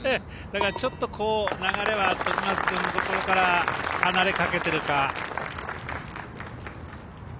だから、ちょっと流れは時松君のところから離れかけてるか。